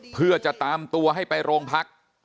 เพื่อจะตามตัวให้ไปโรงพัก